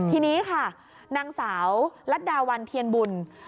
ทีนี้ค่ะนางสาวลัดดาวันเทียนบุญ